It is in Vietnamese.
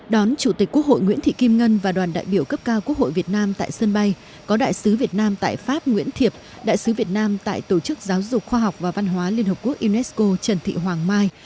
đón chủ tịch quốc hội nguyễn thị kim ngân và đoàn đại biểu cấp cao quốc hội việt nam tại sân bay có đại sứ việt nam tại pháp nguyễn thiệp đại sứ việt nam tại tổ chức giáo dục khoa học và văn hóa liên hợp quốc unesco trần thị hoàng mai